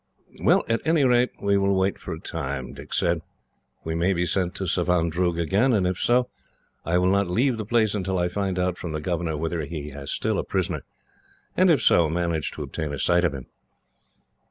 "Well, at any rate we will wait for a time," Dick said. "We may be sent to Savandroog again, and if so, I will not leave the place until I find out from the governor whether he has still a prisoner; and if so, manage to obtain a sight of him."